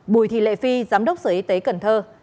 bùi thị lệ phi giám đốc sở y tế tp hcm